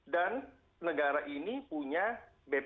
dan negara ini punya benar benar tata kelola pemerintahan yang bersih